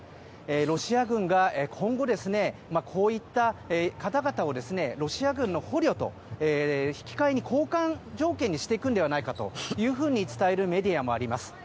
ロシア軍が今後、こうした方々をロシア軍の捕虜と引き換えに、交換条件にしてくるのではないかと伝えるメディアもあります。